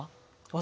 私？